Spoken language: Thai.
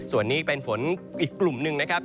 ส่วนนี้เป็นฝนอีกกลุ่มหนึ่งนะครับ